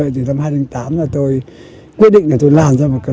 từ năm hai nghìn tám tôi quyết định là tôi làm ra một cây